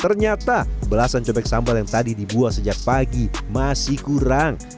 ternyata belasan cobek sambal yang tadi dibuat sejak pagi masih kurang